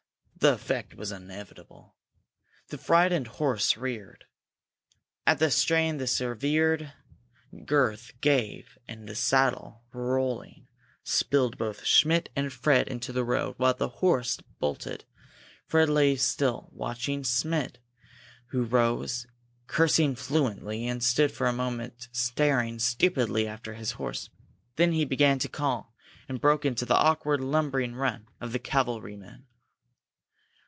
The effect was inevitable. The frightened horse reared. At the strain the severed girth gave, and the saddle, rolling, spilled both Schmidt and Fred into the road, while the horse bolted. Fred lay still, watching Schmidt, who rose, cursing fluently, and stood for a moment staring stupidly after his horse. Then he began to call, and broke into the awkward, lumbering run of the cavalryman.